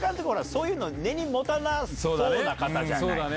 そういうの根に持たなそうな方じゃない。